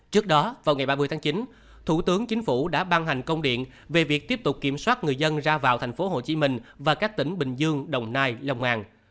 trước đó vào ngày ba mươi tháng chín thủ tướng chính phủ đã ban hành công điện về việc tiếp tục kiểm soát người dân ra vào tp hcm và các tỉnh bình dương đồng nai lòng an